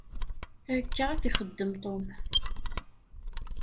Akka i t-ixeddem Tom.